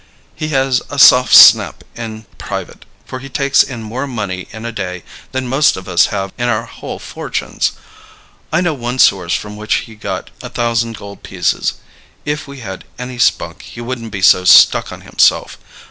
He has a soft snap in private, for he takes in more money in a day than most of us have in our whole fortunes. I know one source from which he got a thousand gold pieces. If we had any spunk he wouldn't be so stuck on himself.